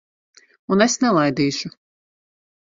Un es nelaidīšu.